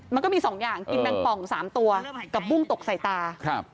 มันก็มี๒อย่างกินแมงป่อง๓ตัวกับบุ้งตกใส่ตา